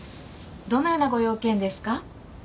どのようなご用件ですか？